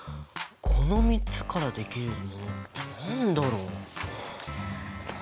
この３つからできるものって何だろう？